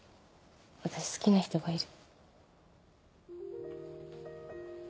私好きな人がいる。